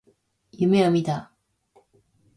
夢を見た。